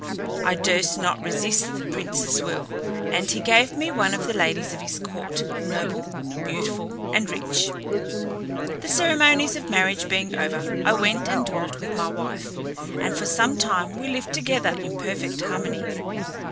I durst not resist the prince's will, and he gave me one of the ladies of his court, noble, beautiful, and rich. The ceremonies of marriage being over, I went and dwelt with my wife, and for some time we lived together in perfect harmony.